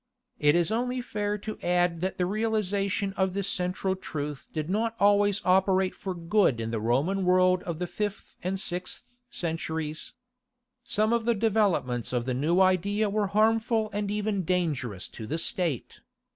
It is only fair to add that the realization of this central truth did not always operate for good in the Roman world of the fifth and sixth centuries. Some of the developments of the new idea were harmful and even dangerous to the State.